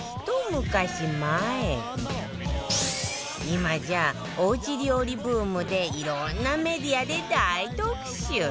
今じゃおうち料理ブームでいろんなメディアで大特集